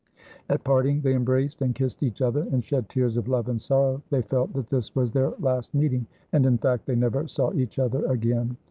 At parting they embraced and kissed each other, and shed tears of love and sorrow. They felt that this was their last meeting; and, in fact, they never saw each other again.